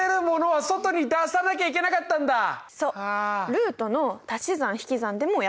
ルートの足し算引き算でもやったよね。